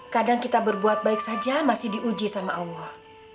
kadang kita berbuat baik saja masih diuji sama allah